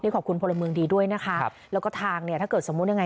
ขอบคุณพลเมืองดีด้วยนะคะครับแล้วก็ทางเนี่ยถ้าเกิดสมมุติยังไง